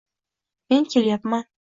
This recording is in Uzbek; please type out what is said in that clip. - Men kelmayman...